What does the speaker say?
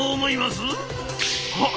「はっ！